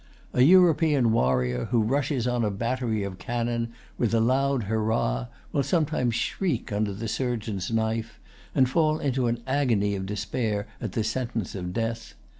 A European warrior who rushes on a battery of cannon with a loud hurrah[Pg 131] will sometimes shriek under the surgeon's knife, and fall into an agony of despair at the sentence of death.